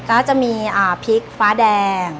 ก็จะมีพริกฟ้าแดง